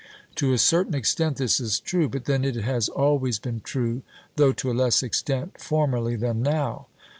To a certain extent this is true; but then it has always been true, though to a less extent formerly than now.